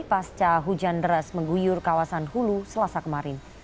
pasca hujan deras mengguyur kawasan hulu selasa kemarin